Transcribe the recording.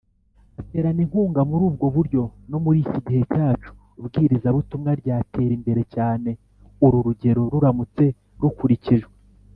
baterana inkunga muri ubwo buryo no muri iki gihe cyacu, ibwirizabutumwa ryatera imbere cyane uru rugero ruramutse rukurikijwe